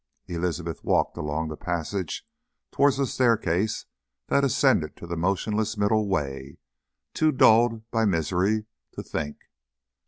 Elizabeth walked along the passage towards the staircase that ascended to the motionless middle way, too dulled by misery to think.